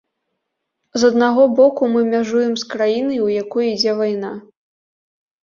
З аднаго боку, мы мяжуем з краінай, у якой ідзе вайна.